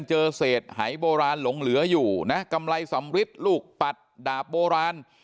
เจอเศษหายโบราณหลงเหลืออยู่นะกำไรสำริดลูกปัดดาบโบราณ